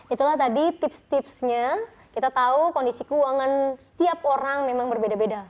itulah tadi tips tipsnya kita tahu kondisi keuangan setiap orang memang berbeda beda